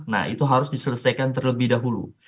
nah itu harus diselesaikan terlebih dahulu